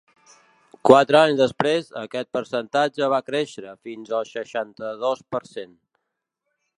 Quatre anys després aquest percentatge va créixer fins al seixanta-dos per cent.